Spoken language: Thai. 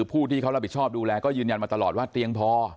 ผู้ที่เขารับผิดชอบดูแลก็ยืนยันมาตลอดว่าเตียงพอ